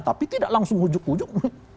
tapi tidak langsung hujuk hujuk